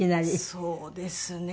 そうですね。